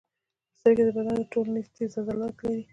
سترګې د بدن تر ټولو تېز عضلات لري.